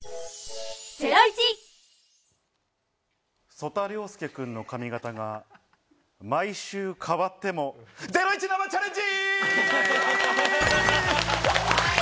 曽田陵介くんの髪形が毎週変わっても、ゼロイチ生チャレンジ！